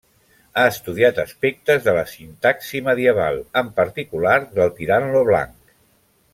Ha estudiat aspectes de la sintaxi medieval, en particular del Tirant lo Blanc.